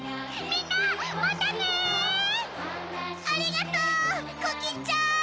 ありがとう！